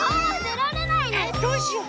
えっどうしよう。